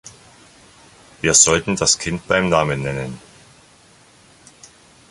Wir sollten das Kind beim Namen nennen.